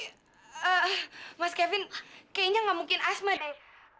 hmm mas kevin kayaknya nggak mungkin asma deh